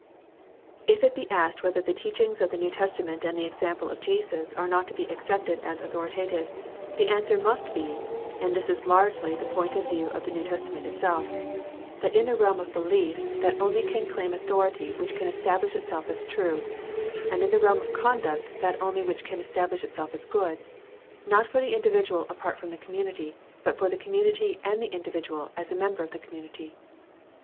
If it be asked whether the teachings of the New Testament and the example of Jesus are not to be accepted as authorita tive, the answer must be (and this is largely the point of view of the New Testament itself) that in the reahn of behef that THE STUDY OF THE NEW TESTAMENT 235 only can claim authority which can establish itself as true, and in the realm of conduct that only which can establish itself as good, not for the individual apart from the com munity, but for the community and for the individual as a member of the community.